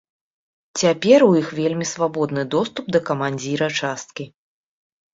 Цяпер у іх вельмі свабодны доступ да камандзіра часткі.